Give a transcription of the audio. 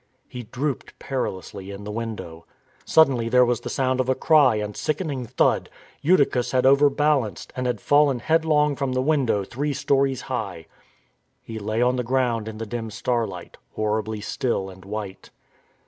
He drooped perilously in the window. Suddenly there was the sound of a cry and sickening thud. Eutychus had overbalanced; and had fallen headlong from the window three stories high. He lay on the ground in the dim starlight, horribly still and white.